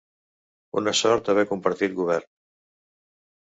Una sort haver compartit govern.